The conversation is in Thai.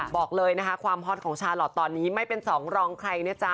บอกเลยนะคะความฮอตของชาลอทตอนนี้ไม่เป็นสองรองใครนะจ๊ะ